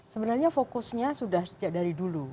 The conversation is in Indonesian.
sebenarnya fokusnya sudah sejak dari dulu